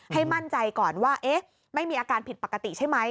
ให้มั่นใจก่อนว่าไม่มีอาการผิดปกติใช่ไหม